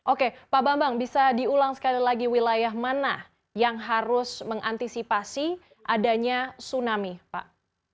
oke pak bambang bisa diulang sekali lagi wilayah mana yang harus mengantisipasi adanya tsunami pak